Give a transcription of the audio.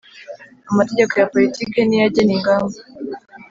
Amategeko ya politiki niyo ajyena ingamba .